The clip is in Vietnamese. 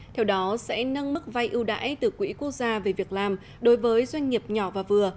theo đó sẽ nâng mức vay ưu đãi từ quỹ quốc gia về việc làm đối với doanh nghiệp nhỏ và vừa